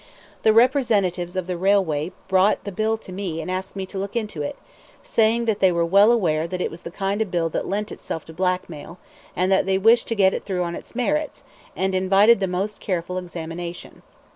The representatives of the railway brought the bill to me and asked me to look into it, saying that they were well aware that it was the kind of bill that lent itself to blackmail, and that they wished to get it through on its merits, and invited the most careful examination.